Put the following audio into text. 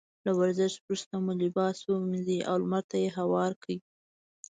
له ورزش وروسته مو لباس ومينځئ او لمر ته يې هوار کړئ.